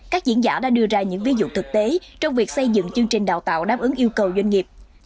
các diễn giả đã đưa ra những ví dụ thực tế trong việc xây dựng chương trình đào tạo đáp ứng yêu cầu doanh nghiệp